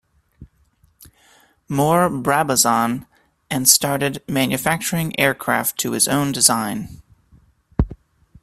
Moore-Brabazon, and started manufacturing aircraft to his own design.